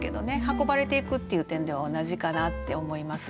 運ばれていくっていう点では同じかなって思います。